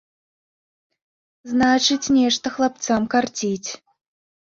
Значыць, нешта хлапцам карціць.